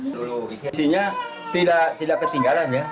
ambisinya tidak ketinggalan ya